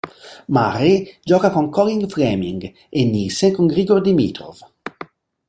Marray gioca con Colin Fleming, e Nielsen con Grigor Dimitrov.